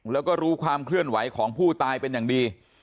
แล้วก็รู้ความเคลื่อนไหวของผู้ตายเป็นอย่างดี